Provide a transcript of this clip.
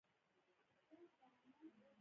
محمدعلي اعلانونه تر حیدرآباد پوري رسولي وو.